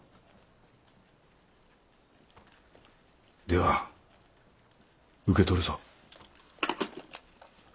では受け取るぞ。